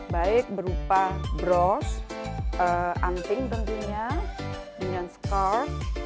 baik berupa bros anting tentunya dengan skor